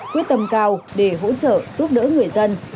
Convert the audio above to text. quyết tâm cao để hỗ trợ giúp đỡ người dân